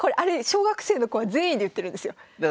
小学生の子は善意で言ってるんですよ。